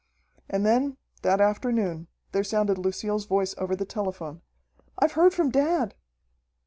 And then, that afternoon, there sounded Lucille's voice over the telephone, "I've heard from dad!"